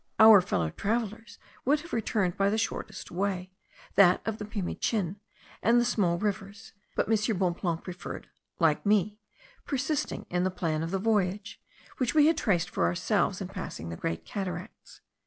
Our fellow travellers would have returned by the shortest way, that of the Pimichin and the small rivers; but M. Bonpland preferred, like me, persisting in the plan of the voyage, which we had traced for ourselves in passing the Great Cataracts.